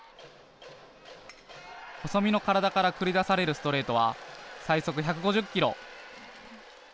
細身の体から繰り出されるストレートは、最速１５０キロ。